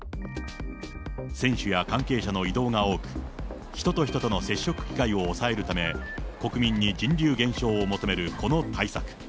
選手や関係者の移動が多く、人と人との接触機会を抑えるため、国民に人流減少を求めるこの対策。